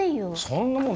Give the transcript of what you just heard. そんなもん